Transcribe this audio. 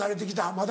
まだ？